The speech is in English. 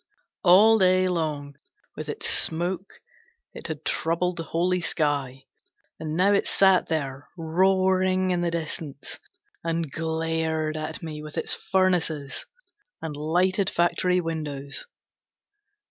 All day long with its smoke it had troubled the holy sky, and now it sat there roaring in the distance and glared at me with its furnaces and lighted factory windows.